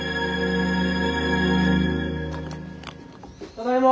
・ただいま。